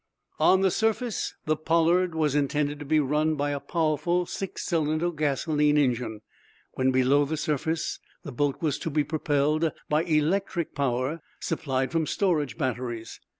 On the surface the "Pollard" was intended to be run by a powerful six cylinder gasoline engine. When below the surface the boat was to be propelled by electric power supplied from storage batteries.